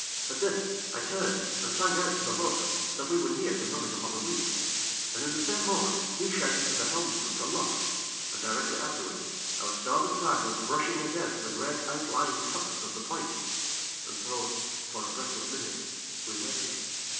At this, I turned and sang out to the bo'sun that we were near to running upon the weed, and, in the same moment, he shouted to the helmsman to luff, and directly afterwards our starboard side was brushing against the great outlying tufts of the point, and so, for a breathless minute, we waited.